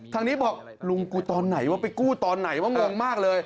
ทางนี้บอกลุงกูตอนไหนว่าไปกู้ตอนไหนว่างงมากเลย